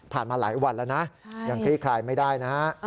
มาหลายวันแล้วนะยังคลี่คลายไม่ได้นะฮะ